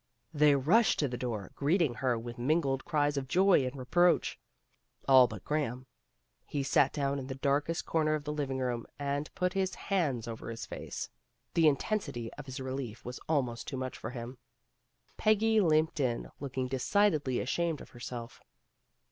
They rushed to the door, greeting her with mingled cries of joy and reproach. All but Graham. He sat down in the darkest corner of the living room and put his hands A MISSING BRIDE 307 over his face. The intensity of his relief was almost too much for him. Peggy limped in, looking decidedly ashamed of herself.